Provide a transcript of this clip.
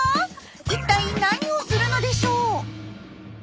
一体何をするのでしょう？